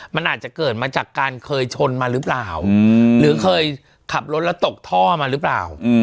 มันอาจจะเกิดมาจากการเคยชนมาหรือเปล่าหรือเคยขับรถแล้วตกท่อมาหรือเปล่า